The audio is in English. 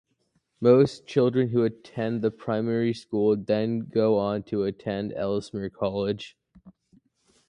Most children who attend the primary school then go on to attend Ellesmere College.